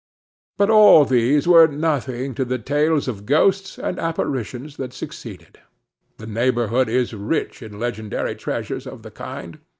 But all these were nothing to the tales of ghosts and apparitions that succeeded. The neighborhood is rich in legendary treasures of the kind.